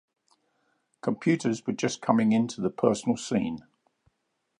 Computers were just coming onto the personal scene.